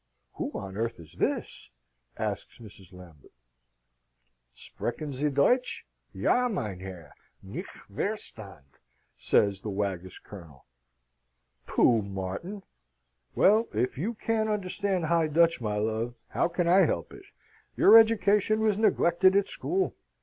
"Who on earth is this?" asks Mrs. Lambert. "Sprechen sie Deutsch? Ja, meinherr. Nichts verstand," says the waggish Colonel. "Pooh, Martin." "Well, if you can't understand High Dutch, my love, how can I help it? Your education was neglected at school.